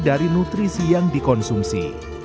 dari nutrisi yang dikonsumsi